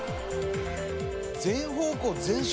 「全方向全色？」